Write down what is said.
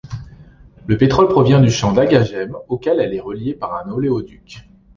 Le pétrole provient du champ d’Agagem auquel elle est reliée par un oléoduc.